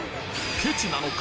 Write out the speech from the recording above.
ケチなのか？